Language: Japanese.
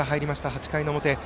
８回の表。